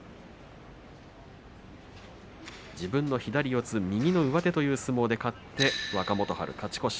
自分の左四つ右の上手という相撲で勝って若元春、勝ち越し。